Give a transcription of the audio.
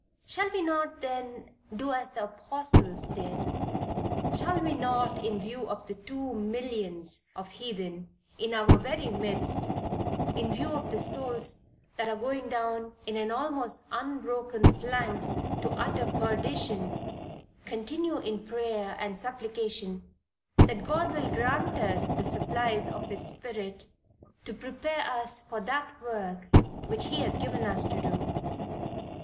Shall we not then do as the Apostles did, shall we not in view of the two millions of heathen in our very midst, in view of the souls that are going down in an almost unbroken phalanx to utter perdition, continue in prayer and supplication that God will grant us the supplies of his Spirit to prepare us for that work which he has given us to do.